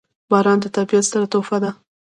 • باران د طبیعت ستره تحفه ده.